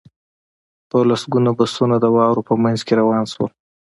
په لسګونه بسونه د واورو په منځ کې روان شول